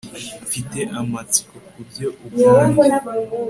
Mfite amatsiko kubyo ubwanjye